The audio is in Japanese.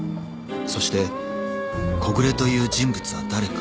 そして木暮という人物は誰か？